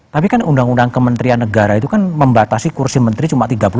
tapi kan undang undang kementerian negara itu kan membatasi kursi menteri cuma tiga puluh